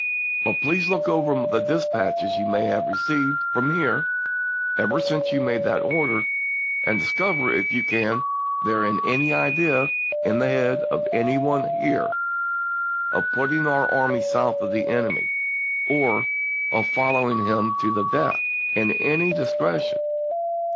But please look over the dispatches you may have received from here ever since you made that order, and discover if you can that there is any idea in the head of any one here of * putting our army south of the enemy ' or of 'following him to the death'1 in any direc tion.